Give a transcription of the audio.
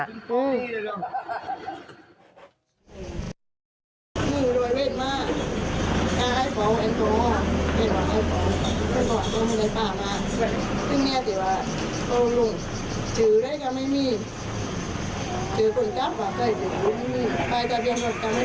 ขอบงานที่ก็ว่าใบทะเบียนรถกับว่าก็ไม่ตรง